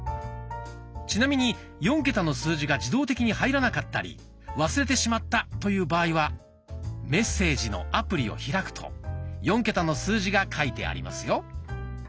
ちなみに４桁の数字が自動的に入らなかったり忘れてしまったという場合は「メッセージ」のアプリを開くと４桁の数字が書いてありますよ。